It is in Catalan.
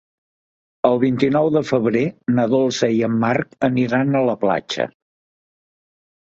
El vint-i-nou de febrer na Dolça i en Marc aniran a la platja.